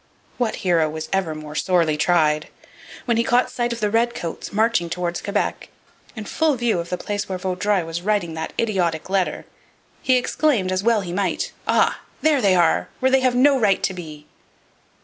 What hero was ever more sorely tried? When he caught sight of the redcoats marching towards Quebec, in full view of the place where Vaudreuil was writing that idiotic letter, he exclaimed, as he well might: 'Ah! there they are, where they have no right to be!'